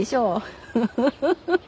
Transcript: フフフフフ。